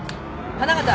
花形。